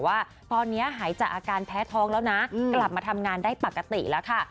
ว่าตอนนี้หายจากอาการแพ้ท้องแล้วนะกลับมาทำงานได้ปกติแล้วค่ะ